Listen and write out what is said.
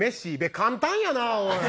簡単やなおい！